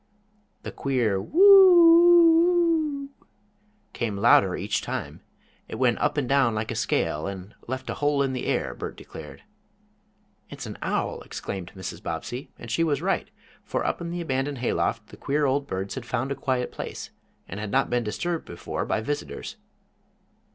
The queer "Whoo oo oo" came louder each time. It went up and down like a scale, and "left a hole in the air," Bert declared. "It's an owl!" exclaimed Mrs. Bobbsey, and she was right, for up in the abandoned hay loft the queer old birds had found a quiet place, and had not been disturbed before by visitors.